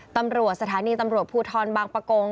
ตำรวจสถานีตำรวจภูทรบางประกง